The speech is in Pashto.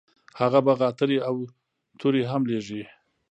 هغه به غاترې او توري هم لیږي.